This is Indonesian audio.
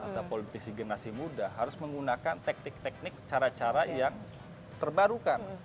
atau politisi generasi muda harus menggunakan teknik teknik cara cara yang terbarukan